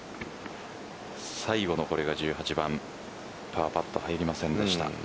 最後の１８番、パーパット入りませんでした。